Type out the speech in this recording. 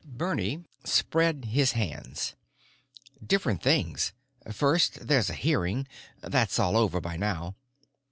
Bernie spread his hands. "Different things. First there's a hearing. That's all over by now.